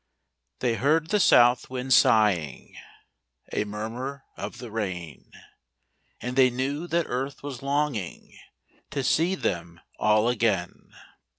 They heard the South wind sighing A murmur of the rain; And they knew that Earth was longing To see them all again.